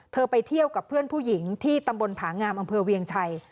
ไปเที่ยวกับเพื่อนผู้หญิงที่ตำบลผางามอำเภอเวียงชัย